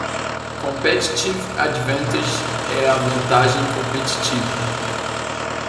Competitive Advantage é a vantagem competitiva.